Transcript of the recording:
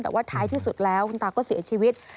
แต่ว่าท้ายที่สุดแล้วคุณตาก็เสียชีวิต